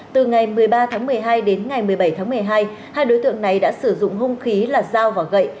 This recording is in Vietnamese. từ ngày một mươi ba tháng một mươi hai đến ngày một mươi bảy tháng một mươi hai hai đối tượng này đã sử dụng hung khí là dao và gậy